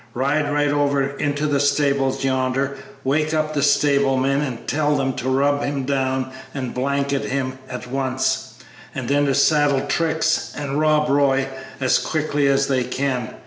Ride right over into the stables yonder; wake up the stable men and tell them to rub him down and blanket him at once, and then to saddle Trix and Rob Roy as quickly as they can.